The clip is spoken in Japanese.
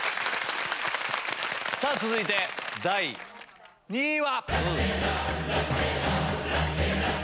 さぁ続いて第２位は。